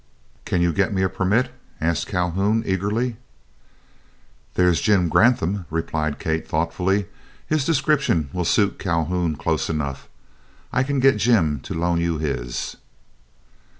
"Can you get me a permit?" asked Calhoun, eagerly. "There is Jim Grantham," replied Kate, thoughtfully; "his description will suit Calhoun close enough. I can get Jim to loan you his."